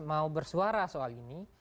mau bersuara soal ini